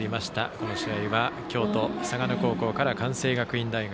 この試合は京都・嵯峨野高校から関西学院大学。